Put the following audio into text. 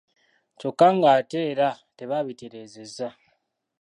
Kyokka ng’ate era tebabitereezezza.